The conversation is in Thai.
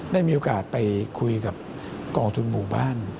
ได้มีโอกาสไปคุยกับกองทุนหมู่บ้าน